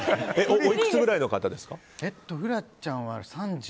おいくつくらいの方ですか？